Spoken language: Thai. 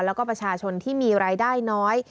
แล้วก็ประชาชนที่มีรายได้น้อย